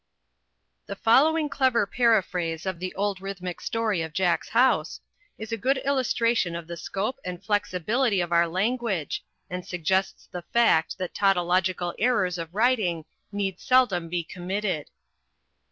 The following clever paraphrase of the old rhythmic story of "Jack's House" is a good illustration of the scope and flexibility of our language, and suggests the fact that tautological errors of writing need seldom be committed.